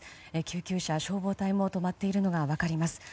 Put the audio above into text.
救急車、消防隊も止まっているのが分かります。